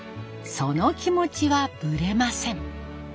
その気持ちはブレません。